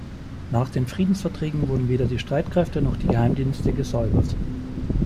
Nach den Friedensverträgen wurden weder die Streitkräfte noch die Geheimdienste gesäubert.